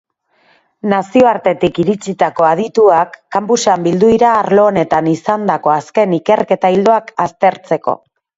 Nazioartetik iritsitako adituak campusean bildu dira arlo honetan izandako azken ikerketa ildoak aztertzeko.